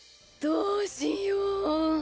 どうしよぉ。